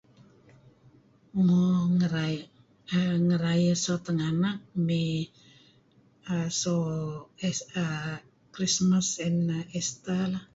Emm Ngerayeh so tinganak mey err so Easte err Christmas and Easter.